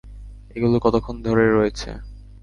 এগুলো কতক্ষণ ধরে রয়েছে?